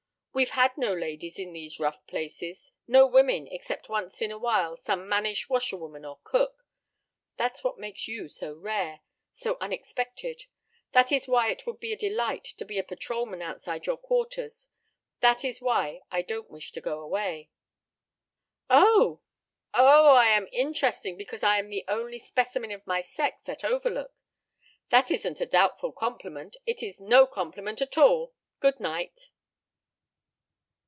We've had no ladies in these rough places no women, except once in a while some mannish washerwoman or cook. That's what makes you so rare so unexpected that is why it would be a delight to be a patrolman outside your quarters that is why I don't wish to go away." "Oh! oh! I am interesting because I am the only specimen of my sex at Overlook. That isn't a doubtful compliment; it is no compliment at all. Good night."